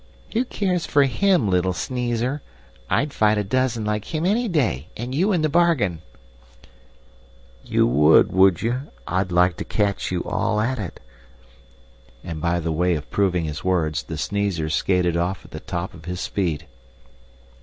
"Who cares for HIM, little sneezer? I'd fight a dozen like him any day, and you in the bargain." "You would, would you? I'd like to catch you all at it," and, by way of proving his words, the sneezer skated off at the top of his speed.